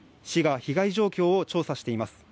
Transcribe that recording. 市が被害状況を調査しています。